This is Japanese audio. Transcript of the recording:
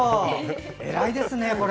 えらいですね、これ。